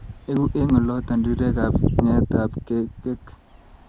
Egu eng oloto rirek ak nyeetab kekek